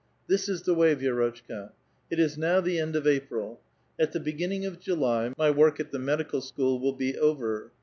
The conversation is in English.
" This is the way, Vi^rotchka. It is now the end of April. At the beginning of July my work at the medical school will be over.